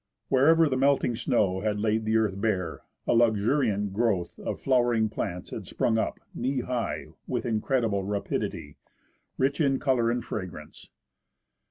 Wherever the melting snow had laid the earth bare, a luxuriant growth of flowering plants had sprung up knee high with incredible rapidity, rich in colour and fragrance.